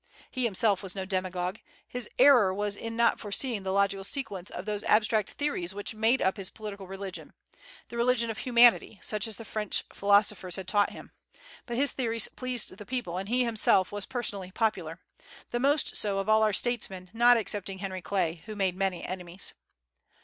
He himself was no demagogue. His error was in not foreseeing the logical sequence of those abstract theories which made up his political religion, the religion of humanity, such as the French philosophers had taught him. But his theories pleased the people, and he himself was personally popular, the most so of all our statesmen, not excepting Henry Clay, who made many enemies.